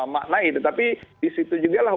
maknai tetapi di situ juga lah